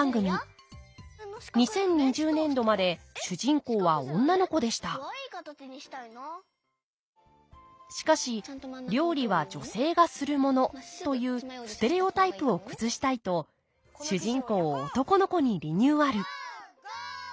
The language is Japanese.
２０２０年度まで主人公は女の子でしたしかし料理は女性がするものというステレオタイプを崩したいと主人公を男の子にリニューアル